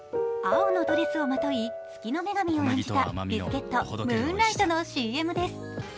青のドレスをまとい、月の女神を演じた、ビスケットムーンライトのＣＭです。